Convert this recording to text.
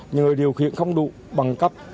những người điều khiển không đủ bằng cấp